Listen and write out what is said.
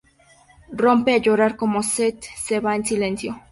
Rompe a llorar como Seth se va en silencio.